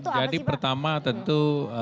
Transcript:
itu apa sih pak jadi pertama tentu